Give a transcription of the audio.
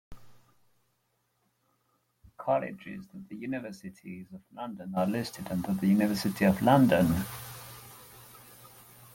Colleges of the University of London are listed under the University of London.